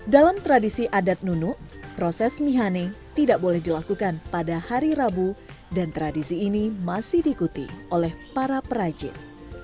dalam tradisi adat nunuk proses mihane tidak boleh dilakukan pada hari rabu dan tradisi ini masih diikuti oleh para perajin